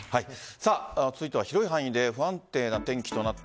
続いては広い範囲で不安定な天気となった